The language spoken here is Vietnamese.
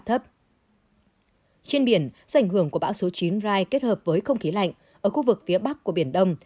trên biển do ảnh hưởng của bão số chín rai kết hợp với không khí lạnh ở khu vực phía bắc của biển đông